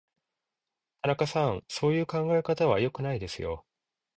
田中さん、そういう考え方は良くないですよ。